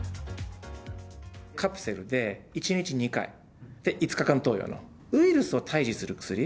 カプセルで１日２回で５日間投与のウイルスを退治する薬。